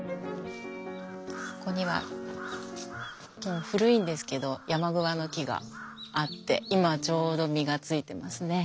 ここには古いんですけど山桑の木があって今ちょうど実がついてますね。